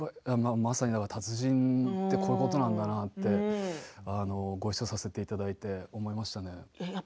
まさに達人ってこういうことなんだなってごいっしょさせていただいて思いましたね。